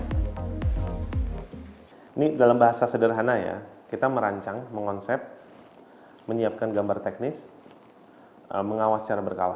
ini dalam bahasa sederhana ya kita merancang mengonsep menyiapkan gambar teknis mengawas secara berkala